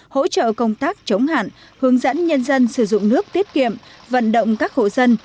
hỗ trợ công tác chống hạn hướng dẫn nhân dân sử dụng nước tiết kiệm vận động các hộ dân